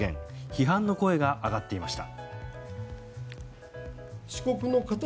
批判の声が上がっていました。